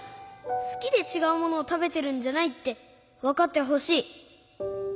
すきでちがうものをたべてるんじゃないってわかってほしい。